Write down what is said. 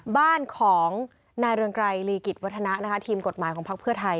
บ้านของนายเรืองไกรลีกิจวัฒนะทีมกฎหมายของพักเพื่อไทย